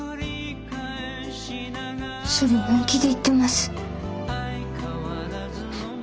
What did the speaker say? それ本気で言ってます？